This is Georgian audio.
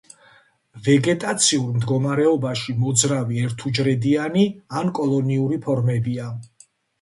ვეგეტაციურ მდგომარეობაში მოძრავი ერთუჯრედიანი ან კოლონიური ფორმებია.